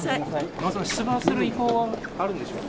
野田さん、出馬する意向はあるんでしょうか。